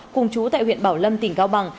cùng chú tại huyện bảo lâm tỉnh cao bằng